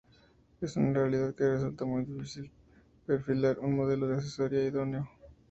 Es una realidad que resulta muy difícil perfilar un modelo de asesoría idóneo.